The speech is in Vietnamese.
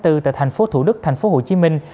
tại thành phố thủ đức thành phố hồ chí minh